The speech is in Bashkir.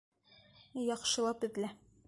Яҡшылап эҙлә.